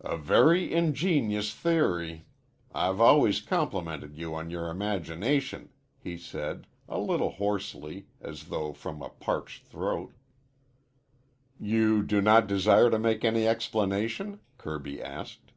"A very ingenious theory. I've always complimented you on your imagination," he said, a little hoarsely, as though from a parched throat. "You do not desire to make any explanation?" Kirby asked.